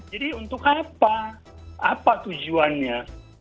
jadi untuk apa apa tujuannya